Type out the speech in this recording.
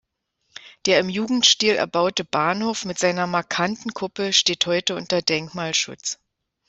Der im Jugendstil erbaute Bahnhof mit seiner markanten Kuppel steht heute unter Denkmalschutz.